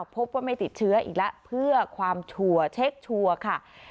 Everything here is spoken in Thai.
พบว่าไม่ติดเชื้ออีกแล้วเพื่อความชัวร์เช็คชัวร์ค่ะ